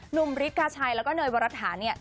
หนุ่มฤทธิ์กาชัยแล้วก็เนยบรรทาเนี่ย